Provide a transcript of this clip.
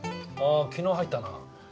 ああ昨日入ったな。